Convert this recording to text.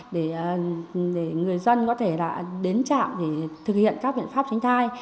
để người dân có thể đến trạm để thực hiện các biện pháp tránh thai